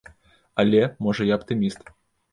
Але, можа, я аптыміст.